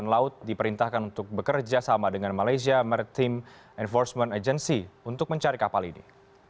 dan laut diperintahkan untuk bekerja sama dengan malaysia meritim enforcement agency untuk mencari kapal ini